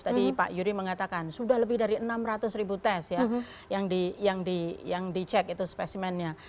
tadi pak yuri mengatakan sudah lebih dari enam ratus ribu tes ya yang dicek itu spesimennya